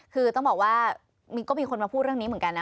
คือต้องบอกว่าก็มีคนมาพูดเรื่องนี้เหมือนกันนะ